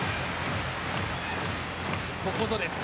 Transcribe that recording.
ここぞです。